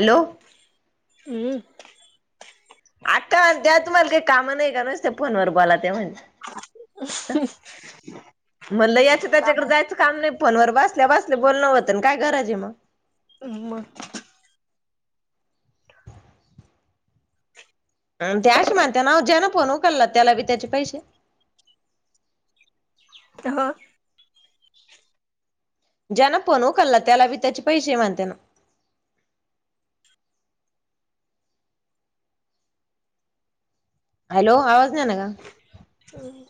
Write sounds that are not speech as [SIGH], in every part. Hello. हं. आक्का न त्या तुम्हाला काही काम नाही का? नुसत्या फोनवर बोलत्या म्हणे. हम्म म्हणलं ह्याच्या त्याच्याकड जायचं काम नाही- फोन वर बसल्या बसल्या बोलणं होतं. अन काय गरज ए मग? हं. म? अन ते अशे म्हणत्या ना हो, ज्यान फोन उकलला त्याला बी त्याचे पैसे? हो. ज्यान पण उकलला त्याला बी त्याचे पैसे म्हणत्या ना? हॅलो. आवाज नाही ना आला का? हं.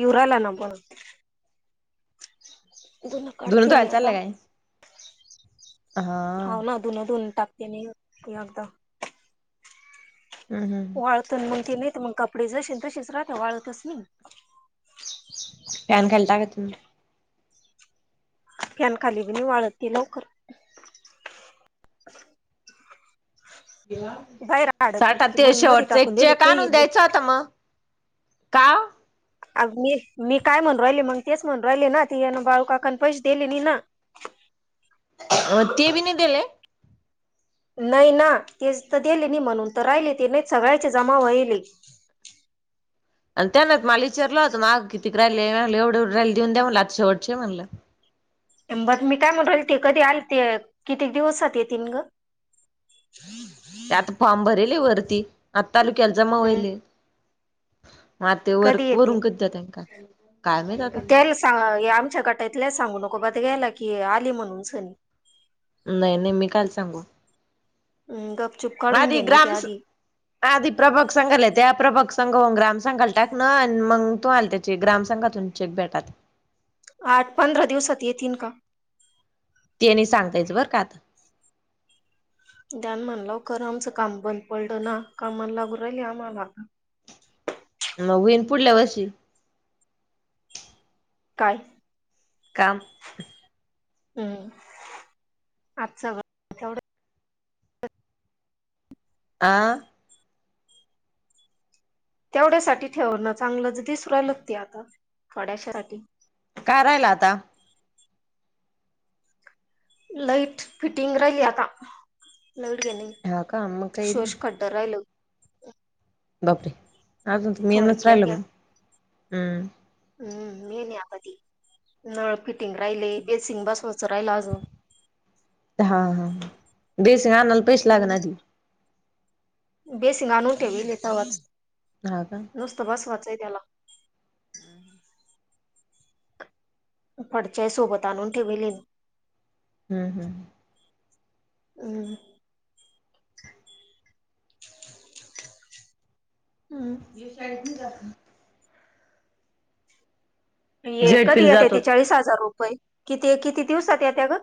येऊ राहिला ना. बोला. धूण धुन काढते मी धुवायला चाललं आता. काय हा हाव ना. धुणं धून टाकते मी [UNINTELLIGIBLE] आता. हम. हम. वाळत. मग ते नाही त मग कपडे जशे न तशेच राहता. वाळतच नाही. फॅन खाली टाकायचे मग. फॅनखाली बी नाही वाळत ते लवकर. बाहेर अडकली की साठात्तीर मग मध्ये शेवटचा एक टाकून दिले चेक आणून काही द्यायचा होता मग. का? अग मी, मी काय म्हणु राहिले? मग तेच म्हणु राहिले ना? ते बाळूकाकान पैसे दिले नाही ना. अं. ते बी नाही दिले? नाही ना? तेच तर दिले नाही म्हणून तर राहिले ते. नाहीत सगळ्याचे जमा होएल ए. आन त्यान तर मला विचारल होत माग किती क रहायले? म्हणलं एवढे एवढे राहिले. देऊन द्या म्हणलं आता शेवटचे ए म्हणलं. ब मी काय म्हणू राहिले ते कधी आलते? कितीक दिवसात येतील ग? ते आता फॉर्म भरले ए वरती. आता तालुक्याला जमा हम्म होईल ए. म आता ते कधी वर्क [UNINTELLIGIBLE] त्याले सां आमच्या गटातल्या सांगू नको बटग्यायला की आली म्हणून सनी. नाही. नाही. मी कायला सांगू? अम. गपचुप- आधी ग्रामस- आधी प्रभाग संघाला आहे. त्या प्रभाग संघाऊन ग्राम संघाला टाक ना आणि मंग तुम्हाला त्याची ग्रामसंघातून- चेक भेटात. आठ पंधरा दिवसांत येतिल का? ते नाही सांगता यायचं बरं का आता. द्यान म्हण लवकर आमच काम बंद पडल ना कामाला लागू राहिले आम्हाला नवीन पुढल्या वर्षी काय? काम हम्म आज सगळ आ तेवढ्यासाठी ठेवण चांगलच दिसु रायलक ते आता थोड्याशासाठी काय राहिल आता लाईट फिटिंग राहिली आता लाईट घेणय. ह का म काई नाई रायलं बापरे! अजून त मेनच रायल थोडक्यात म हम्म अम्म मेन ये आता ते नळ फिटिंग राहिले बेसिंग बसवाच राहिल अजून हा हा बेसिंग आनाला पैसे लागन हम्म आधी बेसिंग आणून ठेविले तवाच हा का नुसत बसवाचय त्याला हम्म फडच्याही सोबत आणून ठेविलेय मी हूं हूं हम्म [UNINTELLIGIBLE] ह्यो हम्म शाळेत नाय जात का? हे कधी झेडपीला येत्या जातो. ते चाळीस हजार रुपये किती किती दिवसात येत्या ग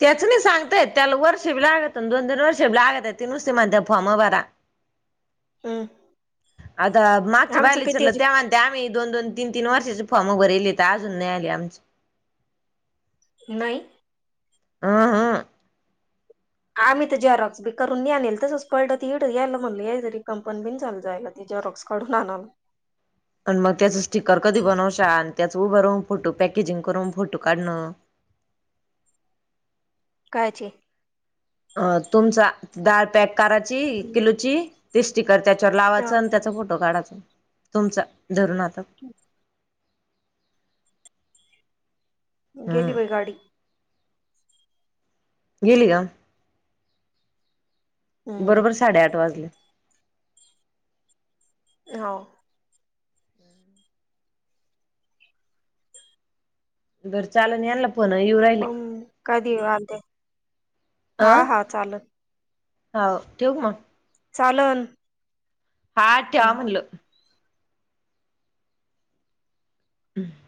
त्याच नाही सांगता येत त्याला वर्ष बी लागत दोन तीन वर्षे लागत्यात ते नुसते म्हणता फॉर्म भरा. हम्म आता मागच्या आमचं बाईला किती विचारल आहे? त्या म्हण ते आम्ही दोन दोन तीन तीन वर्षाचे फॉर्म भरेलेत त अजून नाय आले आमचे नाही. अहं आम्ही त झेरॉक्स बी करून नीे आणेल तसच पडळ ते इड यायला म्हणलं याच रिकामपन बीण चालू जायल ते झेरॉक्स काढून आणाला पण मग त्याच स्टिकर कधी बनवशान आणि त्याच उभ राहुन फोटो पॅकेजिंग करून फोटो काढण काय चे अ तुमचा डाळ पॅक कराची एक हम्म. किलोची ते स्टिकर त्याच्यावर हा, लावाच आणि त्याचा फोटो काढाचा तुमचा धरून हातात [UNINTELLIGIBLE] गेली हम्म बय गाडी गेली का? हम्म बरोबर साडेआठ वाजले. हाव बरं चालण यांला फोन येऊ राय हूं कधी येऊ आलत हा हा चाललं. हाव ठेऊ का मग चालन. हा ठेवा हम्म म्हटल. हम्